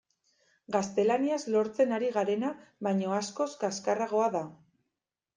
Gaztelaniaz lortzen ari garena baino askoz kaxkarragoa da.